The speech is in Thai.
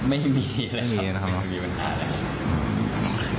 ไม่มีอะไรครับไม่มีปัญหาอะไร